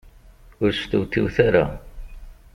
Ur stewtiwet ara.